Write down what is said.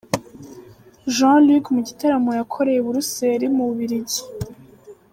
Jean Luc mu gitaramo yakoreye i Buruseri mu Bubirigi.